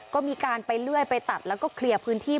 ก็มีการไปเลื่อยไปตัดแล้วก็เคลียร์พื้นที่